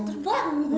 kagak salah ini be